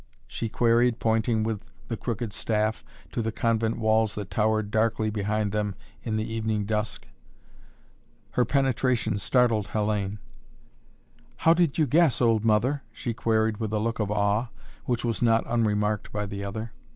she queried, pointing with the crooked staff to the convent walls that towered darkly behind them in the evening dusk. Her penetration startled Hellayne. "How did you guess, old mother?" she queried with a look of awe, which was not unremarked by the other.